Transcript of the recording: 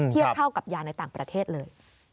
เทียบเท่ากับยาในต่างประเทศเลย